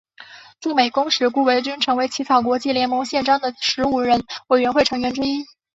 驻美公使顾维钧成为起草国际联盟宪章的十五人委员会成员之一。